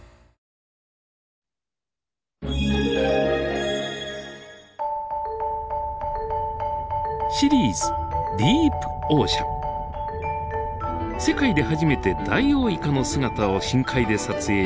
世界で初めてダイオウイカの姿を深海で撮影して５年。